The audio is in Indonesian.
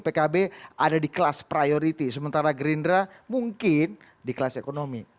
pkb ada di kelas priority sementara gerindra mungkin di kelas ekonomi